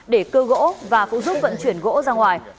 để cưa gỗ và cũng giúp vận chuyển gỗ ra ngoài